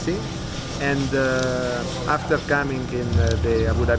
saya menang di perairan abu dhabi